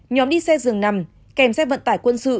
nhóm đi xe dường nằm kèm xe vận tải quân sự